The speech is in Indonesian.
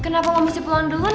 kenapa gak mesti pulang duluan